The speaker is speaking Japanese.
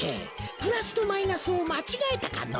プラスとマイナスをまちがえたかの？